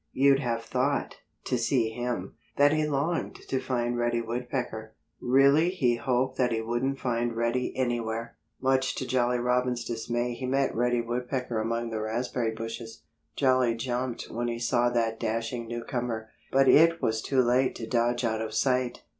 You'd have thought, to see him, that he longed to find Reddy Woodpecker. Really he hoped that he wouldn't find Reddy anywhere. Much to Jolly Robin's dismay he met Reddy Woodpecker among the raspberry bushes. Jolly jumped when he saw that dashing newcomer. But it was too late to dodge out of sight.